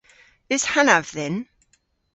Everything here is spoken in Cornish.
Eus hanaf dhyn?